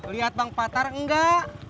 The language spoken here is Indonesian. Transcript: lihat bang patar enggak